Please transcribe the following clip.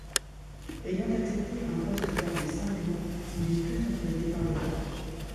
Ayant accepté un poste lors des Cent-Jours, il n'est plus employé par le roi.